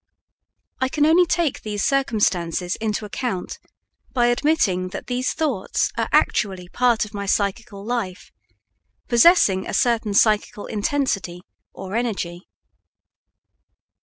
I can only take these circumstances into account by admitting that these thoughts are actually part of my psychical life, possessing a certain psychical intensity or energy.